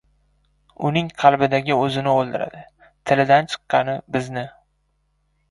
• Uning qalbidagi o‘zini o‘ldiradi, tilidan chiqqani ― bizni.